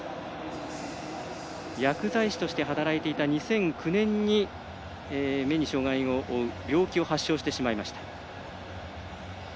薬剤師として働いていた２００９年に目に障がいを負う病気を発症してしまいました。